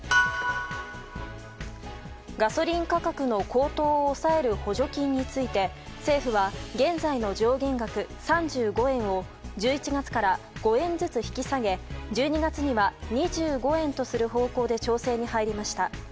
ガソリン価格の高騰を抑える補助金について政府は、現在の上限額３５円を１１月から５円ずつ引き下げ１２月には２５円とする方向で調整に入りました。